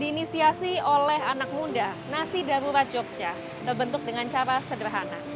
diinisiasi oleh anak muda nasi darurat jogja terbentuk dengan cara sederhana